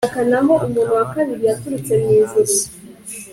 hakaba na bine ntazi